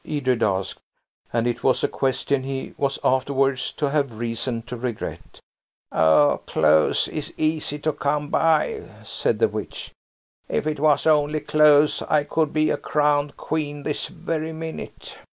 Edred asked; and it was a question he was afterwards to have reason to regret. "Oh, clothes is easy come by," said the witch. "If it was only clothes I could be a crowned queen this very minute."